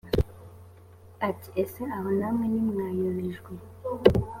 bati ese aho namwe ntimwayobejwe